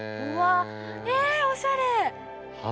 えっおしゃれ。